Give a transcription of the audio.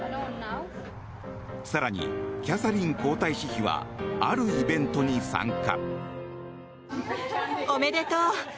更に、キャサリン皇太子妃はあるイベントに参加。